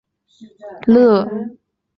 勒沙特列人口变化图示